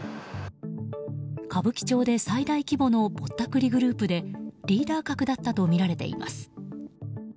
歌舞伎町で最大規模のぼったくりグループでリーダー格だったとみられています。